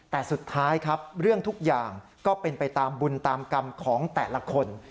แต่สุดท้ายครับเรื่องทุกอย่างก็เป็นไปตามบุญตามกรรมของแต่ละคน